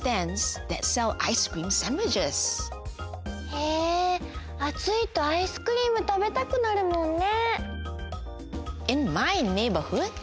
へえあついとアイスクリームたべたくなるもんね。